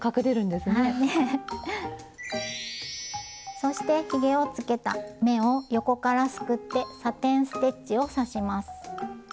そしてひげをつけた目を横からすくってサテン・ステッチを刺します。